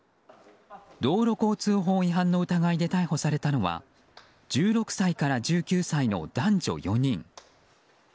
道路交通法違反の疑いで逮捕されたのは１６歳から１９歳の男女４人。